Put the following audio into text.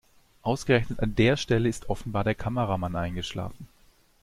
Ausgerechnet an der Stelle ist offenbar der Kameramann eingeschlafen.